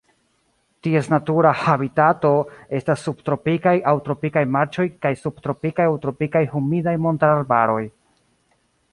Ties natura habitato estas subtropikaj aŭ tropikaj marĉoj kaj subtropikaj aŭ tropikaj humidaj montararbaroj.